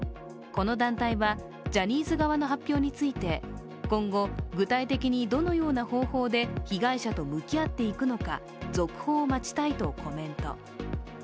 この団体はジャニーズ側の発表について今後、具体的にどのような方法で被害者と向き合っていくのか続報を待ちたいとコメント。